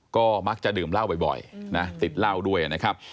ก็มักจะดื่มเหล้าบ่อยนะติดเหล้าด้วยนะครับ